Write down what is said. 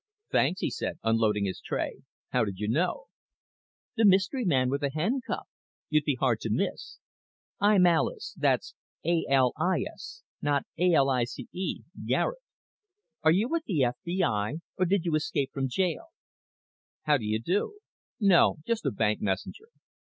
"Thanks," he said, unloading his tray. "How did you know?" "The mystery man with the handcuff. You'd be hard to miss. I'm Alis that's A l i s, not A l i c e Garet. Are you with the FBI? Or did you escape from jail?" "How do you do. No, just a bank messenger.